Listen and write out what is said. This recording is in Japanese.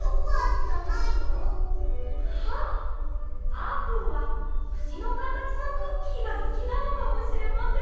あーぷんはほしのかたちのクッキーがすきなのかもしれません。